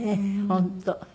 本当。